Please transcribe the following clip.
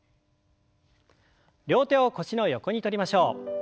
両手を腰の横にとりましょう。